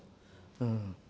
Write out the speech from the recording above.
うん。